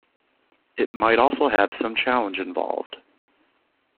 It also might have some challenge involved.